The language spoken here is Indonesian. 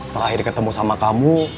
terakhir ketemu sama kamu